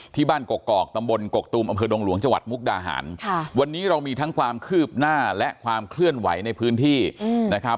ที่บ้านกะบนกกตูมอำเผินดงหลวงจวัตรมุกดาหารค่ะวันนี้เรามีทั้งความคืบหน้าและความเคลื่อนไหวในพื้นที่อืม